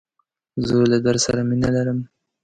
زه له درس سره مینه لرم.